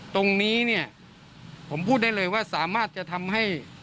ตรงนี้เนี่ยผมพูดได้เลยว่าสามารถจะทำให้